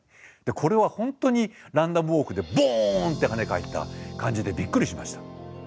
これは本当にランダムウォークでボンって跳ね返った感じでびっくりしました。